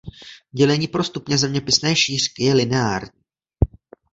Dělení pro stupně zeměpisné šířky je lineární.